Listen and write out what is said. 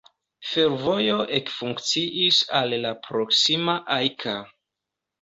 Fervojo ekfunkciis al la proksima Ajka.